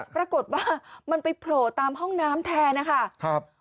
ปรากฏว่ามันไปโผล่ตามห้องน้ำแทนนะคะ